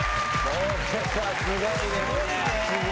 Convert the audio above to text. これはすごいですね。